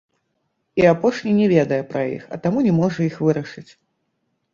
І апошні не ведае пра іх, а таму не можа іх вырашыць.